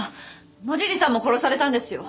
野尻さんも殺されたんですよ！